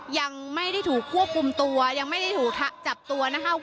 ยังไม่ได้ถูกควบคุมตัวยังไม่ได้ถูกจับตัวนะคะ